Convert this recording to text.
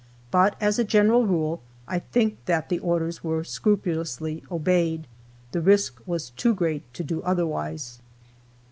But, as a general rule, I think that the orders were scrupulously obeyed. The risk was too great to do otherwise.